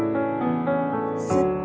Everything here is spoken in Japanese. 吸って。